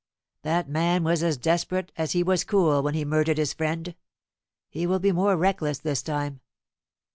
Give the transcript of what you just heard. That man was as desperate as he was cool when he murdered his friend. He will be more reckless this time."